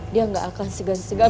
dia gak akan segan segan